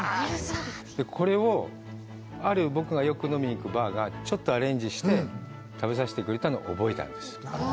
これをある僕がよく飲みに行くバーがちょっとアレンジして食べさせてくれたの覚えたんです